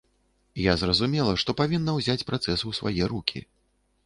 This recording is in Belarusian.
Я зразумела, што павінна ўзяць працэс у свае рукі.